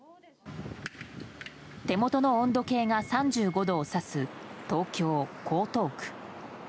手元の温度計が３５度を指す東京・江東区。